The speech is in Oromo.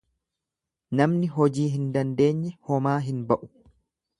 Namni hojii hin dandeenye homaa hin ba'u.